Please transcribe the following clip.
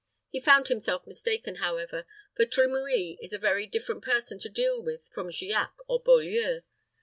He found himself mistaken, however; for Trimouille is a very different person to deal with from Giac or Beaulieu.